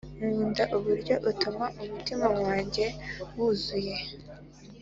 nkunda uburyo utuma umutima wanjye wuzuye